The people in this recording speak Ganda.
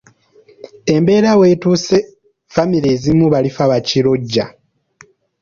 Embeera eyo wetuusizza famire ezimu balifa bakirojja!